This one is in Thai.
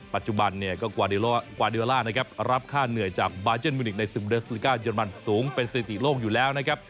ปัจจุบันเนี่ยก็กว่าเดลล่านะครับรับค่าเหนื่อยจากบาเจนมิวนิกในซึมเดสลิก้าเยอรมันสูงเป็นสถิติโลกอยู่แล้วนะครับ